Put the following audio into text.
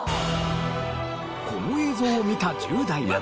この映像を見た１０代は。